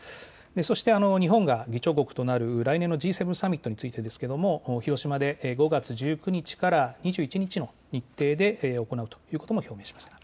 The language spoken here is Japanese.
そして、日本が議長国となる来年のＧ７サミットについてですけれども、広島で５月１９日から２１日の日程で行うということも表明しました。